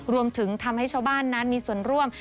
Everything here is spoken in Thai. รวมถึงทำให้ชาวบ้านนั้นมีส่วนร่วม